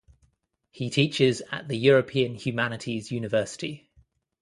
He teaches at the European Humanities University.